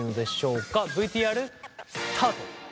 ＶＴＲスタート。